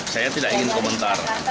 saya tidak ingin komentar